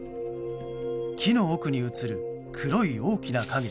木の奥に写る黒い大きな影。